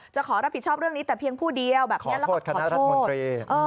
จะขอรับผิดชอบเรื่องนี้แต่เพียงผู้เดียวขอโทษคณะรัฐมนตรี